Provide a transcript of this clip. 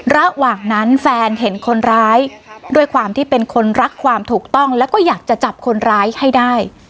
ระหว่างนั้นแฟนเห็นคนร้ายด้วยความที่เป็นคนรักความถูกต้องแล้วก็อยากจะจับคนร้ายให้ได้